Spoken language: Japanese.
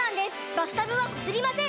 バスタブはこすりません！